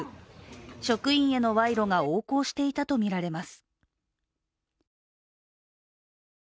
職員への賄賂が横行していたとみられます。